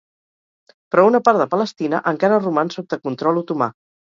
Però una part de Palestina encara roman sota control otomà.